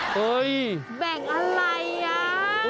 เฮ้ยแบ่งอะไรอ่ะ